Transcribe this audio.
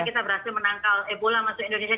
kita berhasil menangkal ebola masuk indonesia